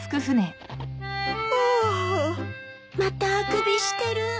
またあくびしてる。